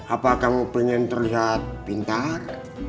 apakah kamu pengen terlihat pintar